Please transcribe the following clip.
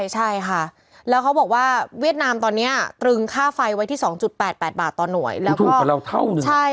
ใช่ค่ะแล้วเขาบอกว่าเวียดนามตอนนี้ตรึงค่าไฟไว้ที่๒๘๘บาทต่อหน่วย